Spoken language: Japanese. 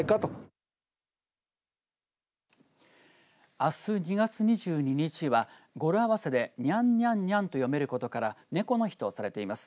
あす２月２２日は語呂合わせでにゃんにゃんにゃんと読めることから猫の日とされています。